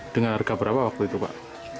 dengan harga berapa waktu itu pak